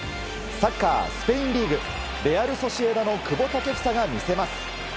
サッカー、スペインリーグレアル・ソシエダの久保建英が見せます。